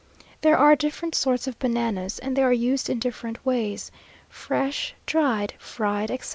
There are different sorts of bananas, and they are used in different ways; fresh, dried, fried, etc.